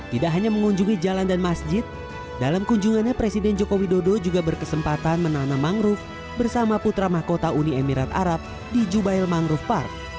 tidak hanya mengunjungi jalan dan masjid dalam kunjungannya presiden joko widodo juga berkesempatan menanam mangrove bersama putra mahkota uni emirat arab di jubail mangrove park